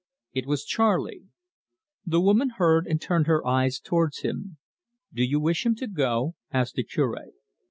It was Charley. The woman heard, and turned her eyes towards him. "Do you wish him to go?" asked the Cure.